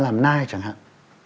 làm nai chẳng hạn